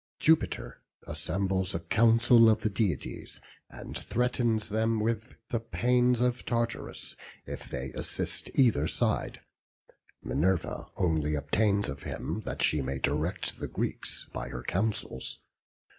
Jupiter assembles a council of the deities, and threatens them with the pains of Tartarus, if they assist either side: Minerva only obtains of him that she may direct the Greeks by her counsels.